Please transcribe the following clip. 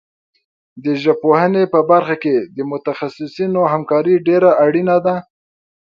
د ژبپوهنې په برخه کې د متخصصینو همکاري ډېره اړینه ده.